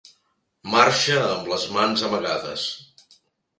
Marxa amb les mans amagades.